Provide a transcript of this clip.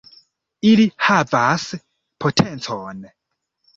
Ili havas potencon.